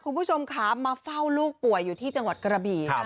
คุณผู้ชมค่ะมาเฝ้าลูกป่วยอยู่ที่จังหวัดกระบี่